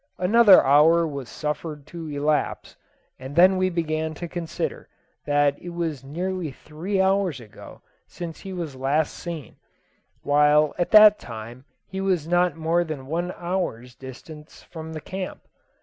Another hour was suffered to elapse, and then we began to consider that it was nearly three hours ago since he was last seen, while at that time he was not more than one hour's distance from the camp.